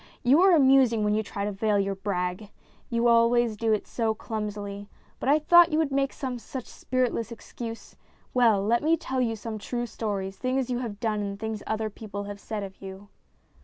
You are amusing when you try to veil your brag. You always do it so clumsily. But I thought you would make some such spirit less excuse. Well, let me tell you some true stories things you have done and things other people have said of you."